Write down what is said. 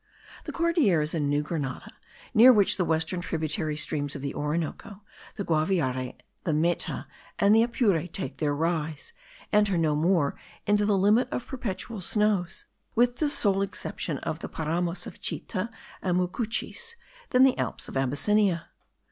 The Cordilleras of New Grenada, near which the western tributary streams of the Orinoco, the Guaviare, the Meta, and the Apure take their rise, enter no more into the limit of perpetual snows, with the sole exception of the Paramos of Chita and Mucuchies, than the Alps of Abyssinia.